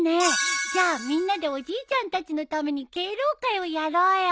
じゃあみんなでおじいちゃんたちのために敬老会をやろうよ。